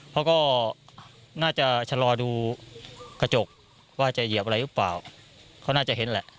เขาก็น่าจะชะลอดูกระจกว่าจะเหยียบอะไรหรือเปล่าเขาน่าจะเห็นแหละ